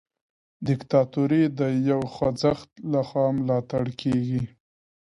دیکتاتوري د یو خوځښت لخوا ملاتړ کیږي.